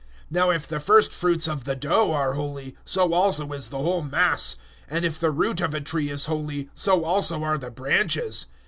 011:016 Now if the firstfruits of the dough are holy, so also is the whole mass; and if the root of a tree is holy, so also are the branches.